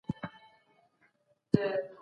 د خپلواکۍ د اخیستو لپاره ډېرې ويني توی سوي دي.